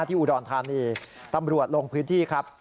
ที่อุดรธานีตำรวจลงพื้นที่ครับ